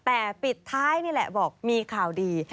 แต่ปิดท้ายนี่แหละบอกมีข่าวดี